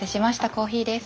コーヒーです。